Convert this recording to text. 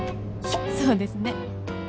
「そうですね」